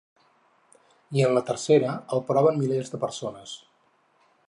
I en la tercera, el proven milers de persones.